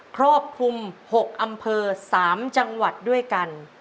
ครอบคลุม๖อำเภอ๓จังหวัดด้วยกัน